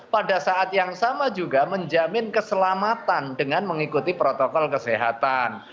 pada saat yang sama juga menjamin keselamatan dengan mengikuti protokol kesehatan